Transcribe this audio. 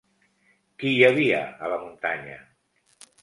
Qui hi havia a la muntanya?